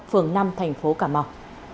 phường năm thành phố cà mau